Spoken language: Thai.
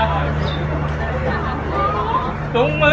ขอบคุณค่ะ